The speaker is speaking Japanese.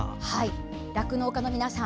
酪農家の皆さん